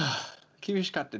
厳しかったん。